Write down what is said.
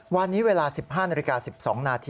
วันนี้เวลา๑๕น๑๒น